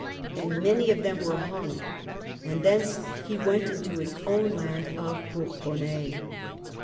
And many of them were hung. And thejice he went into his own land of Bourbonnais.